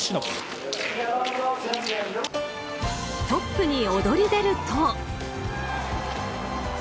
トップに躍り出ると。